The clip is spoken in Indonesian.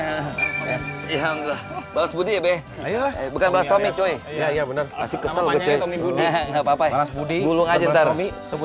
ya allah balas budi bebek bukan balas tommy cuy ya bener masih kesel kece ngepa ngepa